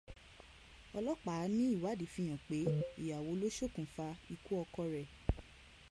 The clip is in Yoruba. Ọlọ́pàá ní iwádìí fi hàn pé ìyàwó ló sokùnfà ikú ọkọ rẹ̀.